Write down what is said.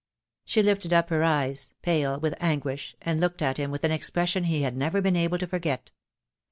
She lifted up her eyes, pale with anguish, and looked at him with an expression he had never been able to forget.